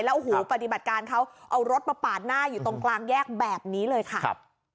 โอ้โหปฏิบัติการเขาเอารถมาปาดหน้าอยู่ตรงกลางแยกแบบนี้เลยค่ะ